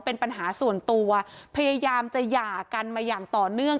เป็นปัญหาส่วนตัวพยายามจะหย่ากันมาอย่างต่อเนื่อง